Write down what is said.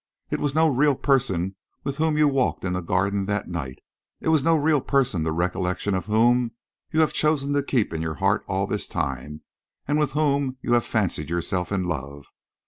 It was no real person with whom you walked in the garden that night. It was no real person the recollection of whom you have chosen to keep in your heart all this time, and with whom you have fancied yourself in love.